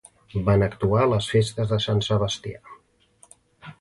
Van actuar a les festes de Sant Sebastià.